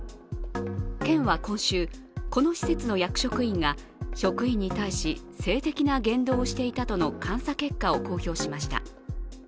県は今週、この施設の役職員が職員に対し性的な言動をしていたとの監査結果を公表しました。